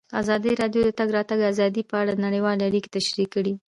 ازادي راډیو د د تګ راتګ ازادي په اړه نړیوالې اړیکې تشریح کړي.